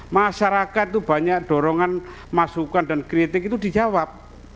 masyarakat itu banyak dorongan masukan dan kritik itu dijawab